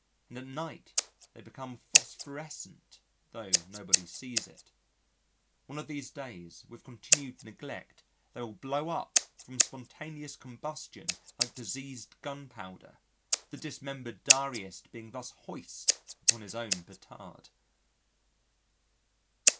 And at night they become phosphorescent, though nobody sees it. One of these days, with continued neglect they will blow up from spontaneous combustion like diseased gunpowder, the dismembered diarist being thus hoist upon his own petard.